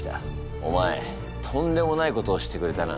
お前とんでもないことをしてくれたな。